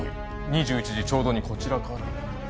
「２１時ちょうどにこちらから」